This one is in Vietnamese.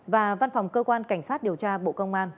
và văn phòng cơ quan cảnh sát điều tra bộ công an